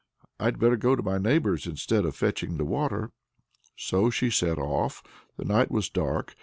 I'd better go to my neighbor's instead of fetching the water." So she set off. The night was dark.